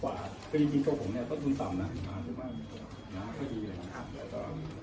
เราก็ไม่มีความคิดถ้าผมว่ามันพลาดจุดเกิดการทำงานหรือว่ากายเรียนเนี่ย